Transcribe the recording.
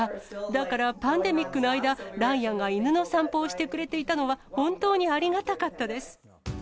だからパンデミックの間、ライアンが犬の散歩をしてくれていたのは、本当にありがたかったです。